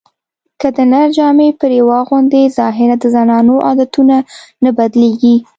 که د نر جامې پرې واغوندې طاهره د زنانو عادتونه نه بدلېږي